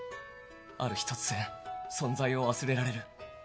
ある日突然存在を忘れられる